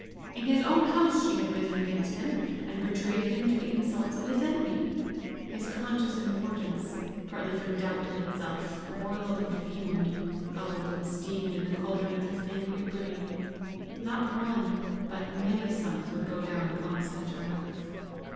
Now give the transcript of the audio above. In his own house she had risen against him, and betrayed him to the insults of his enemy! His conscious importance, partly from doubt in itself, boiled and fumed, bubbled and steamed in the caldron of his angry brain. Not one, but many suns would go down upon such a wrath!